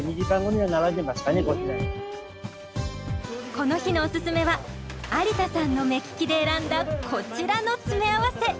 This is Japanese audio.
この日のおすすめは有田さんの目利きで選んだこちらの詰め合わせ。